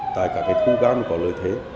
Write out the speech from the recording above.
tại cả cái khu gác nó có lợi thế